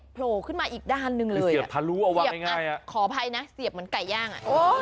โผล่ขึ้นมาอีกด้านหนึ่งเลยขอโภยนะเหมือนเก่าย่าง